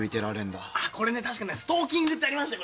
あっこれね確かねストーキングってありましたよ